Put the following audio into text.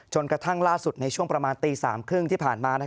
กระทั่งล่าสุดในช่วงประมาณตี๓๓๐ที่ผ่านมา